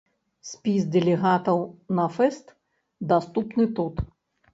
Спіс дэлегатаў на фэст даступны тут.